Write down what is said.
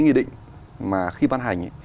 nghị định mà khi ban hành